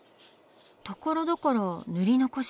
ところどころ塗り残し。